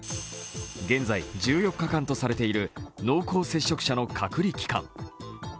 現在１４日間とされている濃厚接触者の隔離期間。